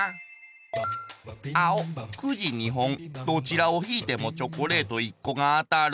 あおくじ２本どちらをひいてもチョコレート１個があたる。